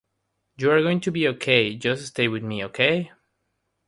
You're going to be okay. Just stay with me, okay?